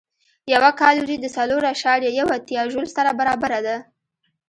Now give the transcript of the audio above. یوه کالوري د څلور اعشاریه یو اتیا ژول سره برابره ده.